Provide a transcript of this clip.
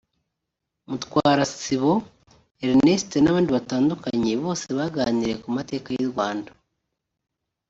Mutwarasibo Ernest n’abandi batandukanye bose baganiriye ku mateka y’u Rwanda